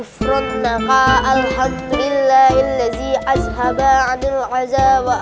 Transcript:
pokoknya habis ini aku emani oke dan tadi aku udah siap siap